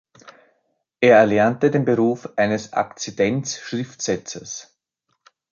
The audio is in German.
Er erlernte den Beruf eines Akzidenz-Schriftsetzers.